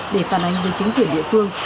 để phản ánh với chính quyền địa phương